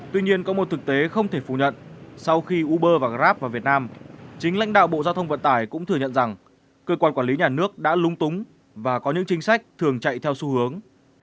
tuy nhiên có một thực tế không thể phủ nhận sau khi uber và grab vào việt nam chính lãnh đạo bộ giao thông vận tải cũng thừa nhận rằng cơ quan quản lý nhà nước đã lúng túng và có những chính sách thường chạy theo xu hướng